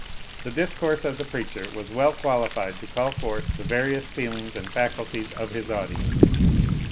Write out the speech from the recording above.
The discourse of the preacher was well qualified to call forth the various feelings and faculties of his audience.